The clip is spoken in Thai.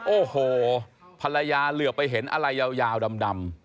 โอ้โหภรรยาเหลือไปเห็นอะไรยาวดำ